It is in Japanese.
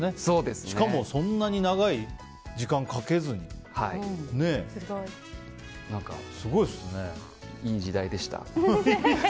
しかも、そんなに長い時間をいい時代でした。